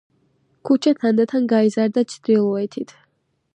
ქუჩა თანდათან გაიზარდა ჩრდილოეთით.